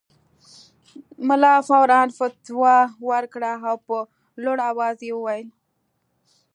ملا فوراً فتوی ورکړه او په لوړ اواز یې وویل.